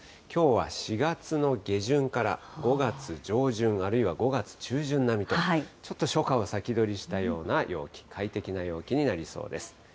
きょうは４月の下旬から５月上旬、あるいは５月中旬並みと、ちょっと初夏を先取りしたような陽気、快適な陽気になりそうです。